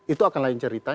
itu akan lain ceritanya